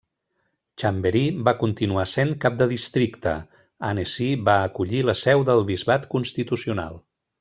Chambéry va continuar sent cap de districte, Annecy va acollir la seu del bisbat constitucional.